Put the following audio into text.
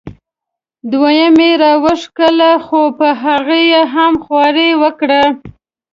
دویمه یې را وښکله خو په هغې یې هم خواري وکړه.